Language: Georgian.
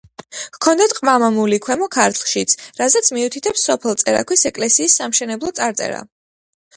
ჰქონდათ ყმა-მამული ქვემო ქართლშიც, რაზეც მიუთითებს სოფელ წერაქვის ეკლესიის საამშენებლო წარწერა.